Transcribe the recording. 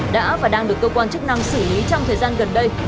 đã và đang được cơ quan chức năng xử lý trong thời gian gần đây